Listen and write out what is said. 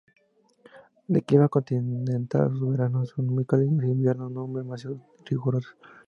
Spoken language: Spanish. De clima continental, sus veranos son muy cálidos y los inviernos no demasiado rigurosos.